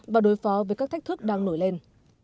và đối phó với các thách thức đang nổi lên